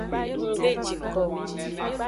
Ng de ji ko o.